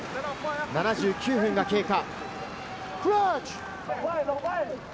７９分が経過。